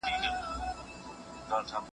مادي ژبه د ذهن د ستړیا احساس کمزوری کوي.